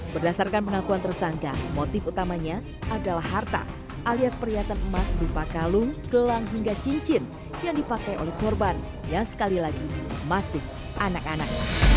berdasarkan pengakuan tersangka motif utamanya adalah harta alias perhiasan emas berupa kalung gelang hingga cincin yang dipakai oleh korban yang sekali lagi masih anak anak